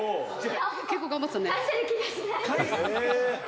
結構頑張ってたね」